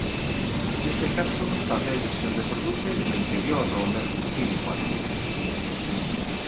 Neste caso tamén se reproduce no interior o mesmo tímpano.